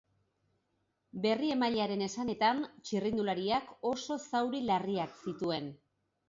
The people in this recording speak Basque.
Berriemailearen esanetan, txirrindulariak oso zauri larriak zituen.